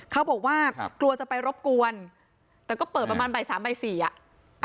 เขาบอกว่ากลัวจะไปรบกวนแต่ก็เปิดประมาณบ่ายสามบ่ายสี่อ่ะ